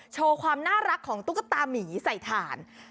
โชว์ความน่ารักของตุ๊กตามีใส่ถ่าน